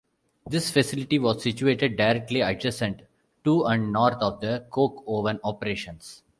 This facility was situated directly adjacent to and north of the coke oven operations.